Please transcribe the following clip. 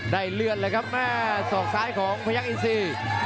ได้เลือดเลยครับสอกซ้ายของพยักอีซี